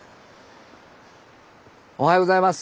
おはようございます。